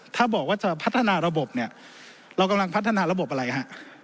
ถ้าบอกว่าจะพัฒนาระบบเนี่ยเรากำลังพัฒนาระบบอะไรฮะ